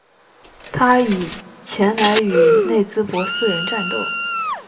他已前来与内兹珀斯人战斗。